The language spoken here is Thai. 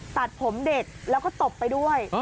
ตัดผมเด็กแล้วก็ตบไปด้วย